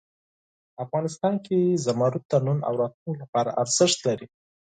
افغانستان کې زمرد د نن او راتلونکي لپاره ارزښت لري.